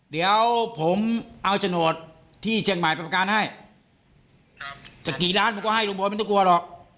เดี๋ยวผมเอาจนโหดที่เชียงใหม่ปรับการให้ครับแต่กี่ล้านผมก็ให้ลูกบอสไม่ต้องกลัวหรอก